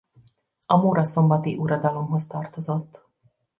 A muraszombati uradalomhoz tartozott.